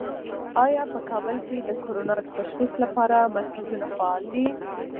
آیا په کابل کې د کرونا د تشخیص لپاره مرکزونه فعال دي؟